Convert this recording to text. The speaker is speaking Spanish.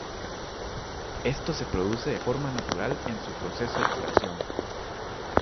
Esto se produce de forma natural en su proceso de curación.